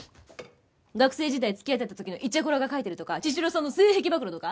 学生時代付き合ってた時のイチャコラが書いてあるとか茅代さんの性癖暴露とか？